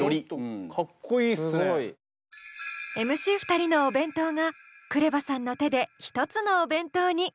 ＭＣ２人のお弁当がＫＲＥＶＡさんの手で一つのお弁当に。